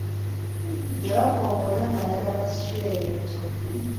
Yabakoowoola ng'ayagala basitule ebintu.